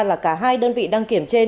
là cả hai đơn vị đăng kiểm trên